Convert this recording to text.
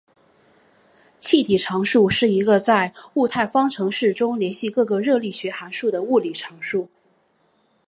气体常数是一个在物态方程式中连系各个热力学函数的物理常数。